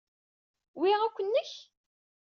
Wi akk nnek?